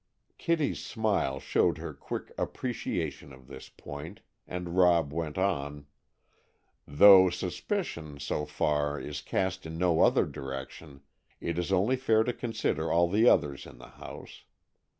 Kitty's smile showed her quick appreciation of this point, and Rob went on: "Though suspicion, so far, is cast in no other direction, it is only fair to consider all the others in the house.